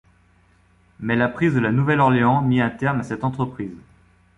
Mais la prise de La Nouvelle-Orléans mit un terme à cette entreprise.